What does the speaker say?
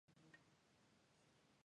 安いパスタはどこも似たような味だ